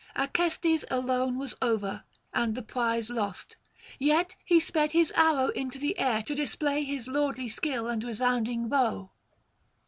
Acestes alone was over, and the prize lost; yet he sped his arrow up into the air, to display his lordly skill and resounding bow.